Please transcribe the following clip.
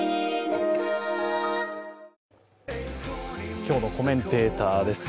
今日のコメンテーターです。